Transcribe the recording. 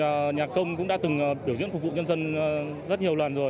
là một nhà công cũng đã từng biểu diễn phục vụ nhân dân rất nhiều lần rồi